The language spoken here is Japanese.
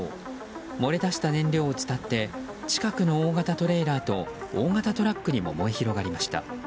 漏れ出した燃料を伝って近くの大型トレーラーと大型トラックにも燃え広がりました。